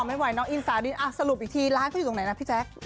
ไม่ไหวน้องอินสาลินสรุปอีกทีร้านเขาอยู่ตรงไหนนะพี่แจ๊ค